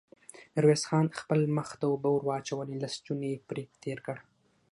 ميرويس خان خپل مخ ته اوبه ور واچولې، لستوڼۍ يې پرې تېر کړ.